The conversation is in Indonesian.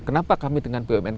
kenapa kami dengan bumn